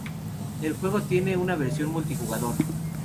El juego tiene una versión multijugador.